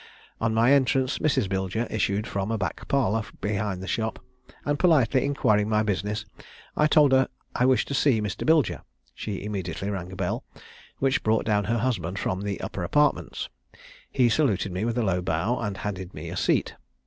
On my entrance Mrs. Bilger issued from a back parlour behind the shop, and, politely inquiring my business, I told her I wished to see Mr. Bilger; she immediately rang a bell, which brought down her husband from the upper apartments. He saluted me with a low bow, and handed me a seat.